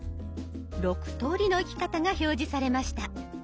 ６通りの行き方が表示されました。